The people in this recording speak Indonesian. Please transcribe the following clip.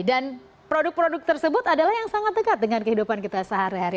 dan produk produk tersebut adalah yang sangat dekat dengan kehidupan kita sehari hari